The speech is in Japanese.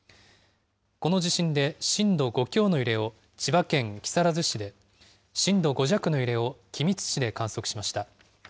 この地震で震度５強の揺れを千葉県木更津市で、震度５弱の揺れを君津市で観測しました。